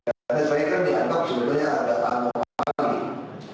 karena saya kan diantar sebenarnya ada tahanan wangi